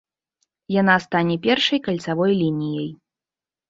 Яна стане першай кальцавой лініяй.